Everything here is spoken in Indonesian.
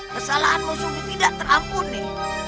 kesalahanmu sudah tidak terampuni